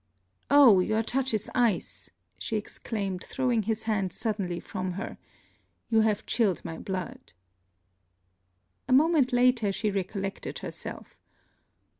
Oh! your touch is ice!' she exclaimed, throwing his hand suddenly from her; 'you have chilled my blood!' A moment after, she recollected herself.